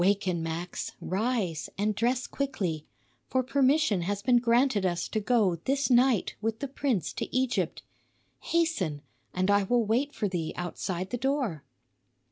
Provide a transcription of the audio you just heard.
"Waken, Max, rise and dress quickly; for permission has been granted us to go this night with the prince to Egypt. Hasten, and I will wait for thee outside the door."